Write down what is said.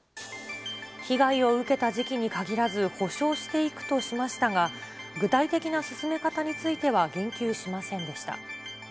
被害を受けた時期に限らず補償していくとしましたが、具体的な進め方については言及しませんでした。